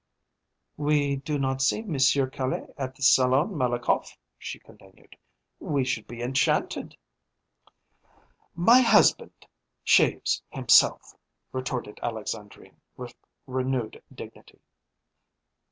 "We do not see Monsieur Caille at the Salon Malakoff," she continued. "We should be enchanted" "My husband shaves himself," retorted Alexandrine, with renewed dignity.